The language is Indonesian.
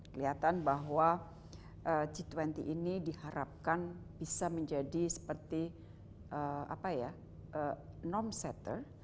kelihatan bahwa g dua puluh ini diharapkan bisa menjadi seperti nom setter